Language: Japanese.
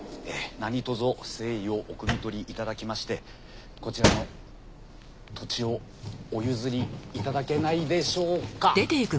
何とぞ誠意をお汲み取りいただきましてこちらの土地をお譲りいただけないでしょうか。